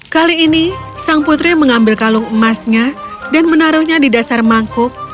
kali ini sang putri mengambil kalung emasnya dan menaruhnya di dasar mangkuk